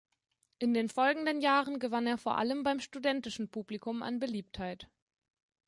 In den folgenden Jahren gewann er vor allem beim studentischen Publikum an Beliebtheit.